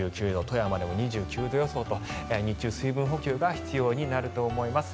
富山でも２９度予想と日中、水分補給が必要になると思います。